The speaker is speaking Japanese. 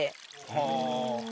はあ。